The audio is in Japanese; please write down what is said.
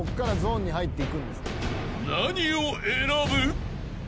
［何を選ぶ？］